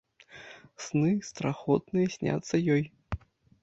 Сны страхотныя сняцца ёй.